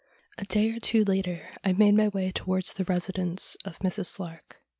A day or two later I made my way towards the residence of Mrs. Slark.